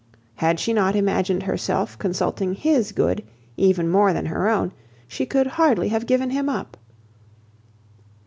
Had she not imagined herself consulting his good, even more than her own, she could hardly have given him up.